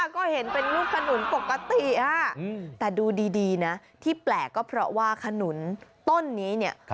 ก็เห็นเป็นลูกขนุนปกติแต่ดูดีนะที่แปลกก็เพราะว่าขนุนต้นนี้เนี่ย